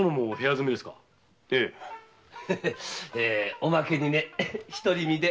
おまけに独り身で。